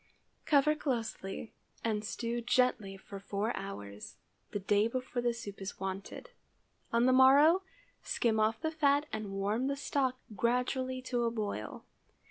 Cover closely and stew gently for four hours, the day before the soup is wanted. On the morrow, skim off the fat and warm the stock gradually to a boil.